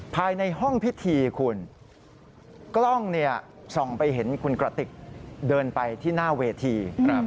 ภายในห้องพิธีคุณกล้องเนี่ยส่องไปเห็นคุณกระติกเดินไปที่หน้าเวที